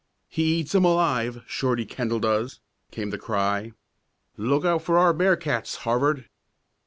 "He eats 'em alive Shorty Kendall does!" came the cry. "Look out for our bear cats, Harvard!"